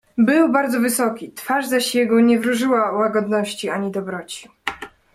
"Był bardzo wysoki, twarz zaś jego nie wróżyła łagodności, ani dobroci."